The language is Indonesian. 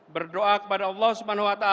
berdoa kepada allah swt